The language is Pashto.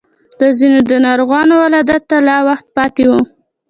د ځينو د ناروغ ولادت ته لا وخت پاتې و.